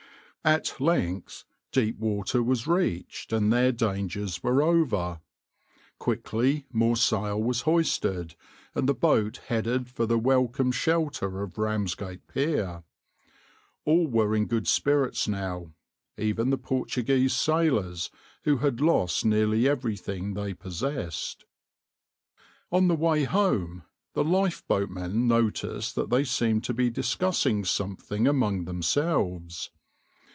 "\par At length deep water was reached, and their dangers were over. Quickly more sail was hoisted, and the boat headed for the welcome shelter of Ramsgate pier. All were in good spirits now, even the Portuguese sailors who had lost nearly everything they possessed. On the way home the lifeboatmen noticed that they seemed to be discussing something among themselves.